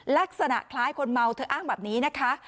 ลักษณะคล้ายคนเมาเธออ้างแบบนี้นะคะ